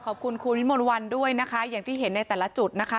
ขอบคุณคุณวิมนต์วันด้วยนะคะอย่างที่เห็นในแต่ละจุดนะคะ